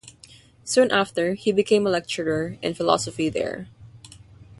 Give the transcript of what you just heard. Soon after, he became a lecturer in philosophy there.